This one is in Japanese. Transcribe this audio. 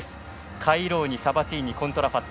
カイローニ、サバティーニコントラファット。